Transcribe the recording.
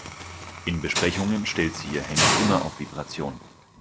In Besprechungen stellt sie ihr Handy immer auf Vibration.